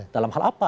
dalam hal apa